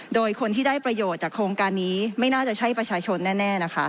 โดยคนที่ได้ประโยชน์จากโครงการนี้ไม่น่าจะใช่ประชาชนแน่นะคะ